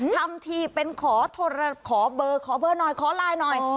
ทำทีเป็นขอเบอร์ขอเบอร์หน่อยขอไลน์หน่อย